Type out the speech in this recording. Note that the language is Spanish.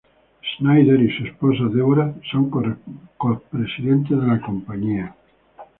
Snyder y su esposa, Deborah, son copresidentes de la compañía.